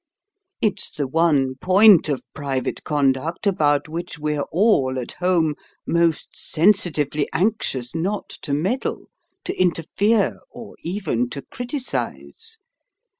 It's the one point of private conduct about which we're all at home most sensitively anxious not to meddle, to interfere, or even to criticise.